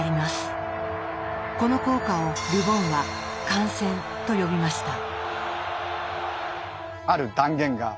この効果をル・ボンは「感染」と呼びました。